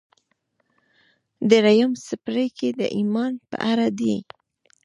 درېيم څپرکی د ايمان په اړه دی.